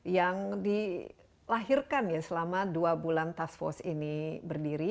yang dilahirkan ya selama dua bulan task force ini berdiri